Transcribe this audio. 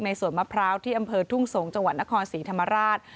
สวนมะพร้าวที่อำเภอทุ่งสงศ์จังหวัดนครศรีธรรมราช